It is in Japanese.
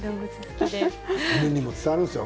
犬にも伝わるんですよ